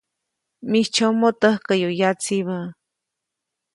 Mijtsyomoʼ täjkäyu yatsibä.